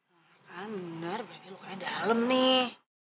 bener bener berarti lukanya dalam nih